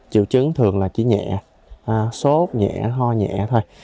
triệu chứng thường là chỉ nhẹ sốt nhẹ ho nhẹ thôi